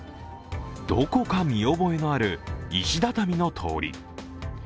どこか見覚えのある石畳の通り。